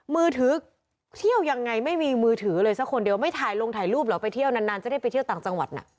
มือถือเที่ยวยังไงไม่มีมือถือเลยสักคนเดียวไม่ถ่ายลงถ่ายรูปเหรอไปเที่ยวนานจะได้ไปเที่ยวต่างจังหวัดน่ะ